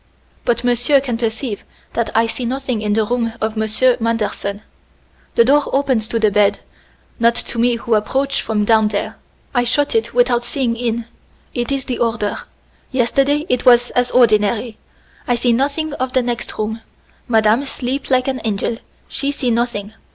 But monsieur can perceive that I see nothing in the room of Monsieur Manderson. The door opens to the bed, not to me who approach from down there. I shut it without seeing in. It is the order. Yesterday it was as ordinary. I see nothing of the next room. Madame sleep like an angel she see nothing.